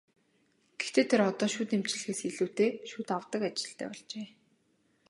Гэхдээ тэр одоо шүд эмчлэхээс илүүтэй шүд авдаг ажилтай болжээ.